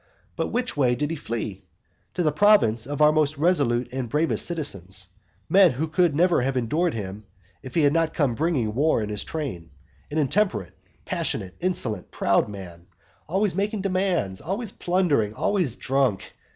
But which way did he flee? To the province of our most resolute and bravest citizens; men who could never have endured him if he had not come bringing war in his train, an intemperate, passionate, insolent, proud man, always making demands, always plundering, always drunk.